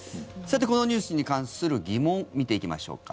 このニュースに関する疑問見ていきましょうか。